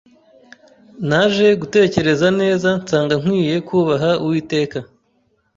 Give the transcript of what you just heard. Naje gutekereza neza nsanga nkwiye kubaha Uwiteka